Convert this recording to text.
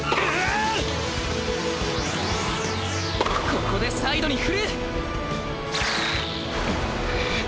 ここでサイドに振る！